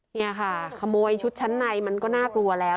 นี่ค่ะขโมยชุดชั้นในมันก็น่ากลัวแล้ว